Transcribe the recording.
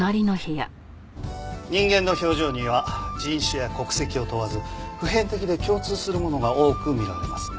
人間の表情には人種や国籍を問わず普遍的で共通するものが多く見られます。